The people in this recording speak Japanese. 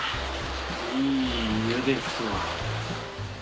いい湯ですわ。